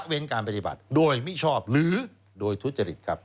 เว้นการปฏิบัติโดยมิชอบหรือโดยทุจริตครับ